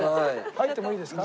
入ってもいいですか？